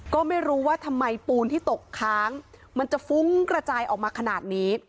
ก็ไม่รู้ว่าทำไมปูนที่ตกค้างมันจะฟุ้งกระจายออกมาขนาดนี้